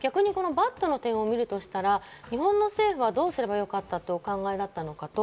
Ｂａｄの点を見るとしたら、日本の政府はどうすればよかったというお考えだったのかと。